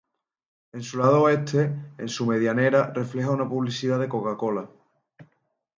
En su lado oeste, en su medianera, refleja una publicidad de Coca-Cola.